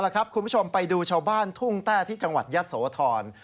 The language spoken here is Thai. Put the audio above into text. คุณผู้ชมไปดูชาวบ้านทุ่งแต้ที่จังหวัดยะโสธร